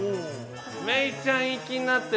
メイちゃん行きになってる。